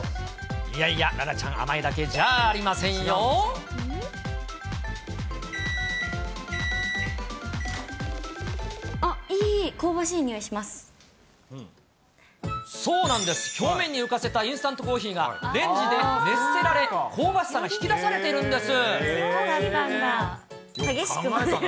いやいや、楽々ちゃん、あっ、いい、そうなんです、表面に浮かせたインスタントコーヒーがレンジで熱せられ、香ばしさが引き出されているんです。